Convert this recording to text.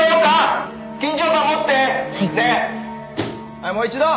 はいもう一度！